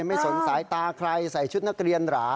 สนสายตาใครใส่ชุดนักเรียนหรา